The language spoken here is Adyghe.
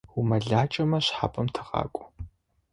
УмэлакӀэмэ, шхапӀэм тыгъакӀу.